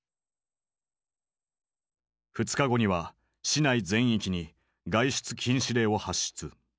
２日後には市内全域に外出禁止令を発出。